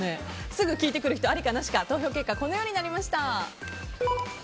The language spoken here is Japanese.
すぐ聞いてくる人、ありかなしか投票結果こうなりました。